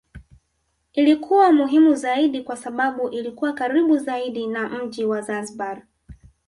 Ilikuwa muhimu zaidi kwa sababu ilikuwa karibu zaidi na mji wa Zanzibar